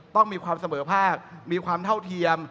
ต้องมีความเสมอภาคมีความเท่าเทียม